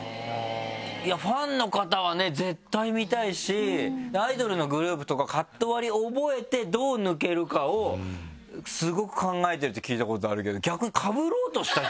ファンの方はね絶対見たいしアイドルのグループとかカット割り覚えてどう抜けるかをスゴく考えてるって聞いたことあるけど。